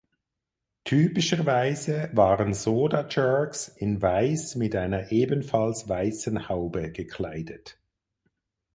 Typischerweise waren Soda Jerks in Weiß mit einer ebenfalls weißen Haube gekleidet.